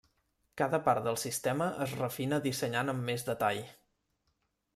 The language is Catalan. Cada part del sistema es refina dissenyant amb més detall.